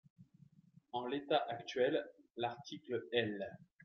En l’état actuel, l’article L.